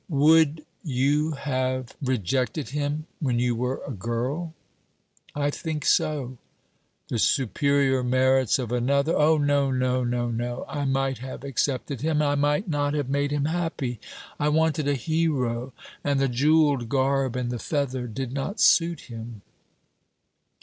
'Would, you lave rejected him when you were a girl?' 'I think so.' 'The superior merits of another...?' 'Oh, no, no, no, no! I might have accepted him: and I might not have made him happy. I wanted a hero, and the jewelled garb and the feather did not suit him.'